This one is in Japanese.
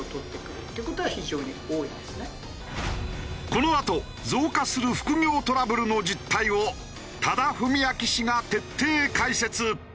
このあと増加する副業トラブルの実態を多田文明氏が徹底解説！